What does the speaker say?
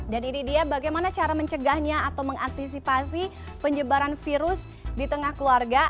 dan ini dia bagaimana cara mencegahnya atau mengantisipasi penyebaran virus di tengah keluarga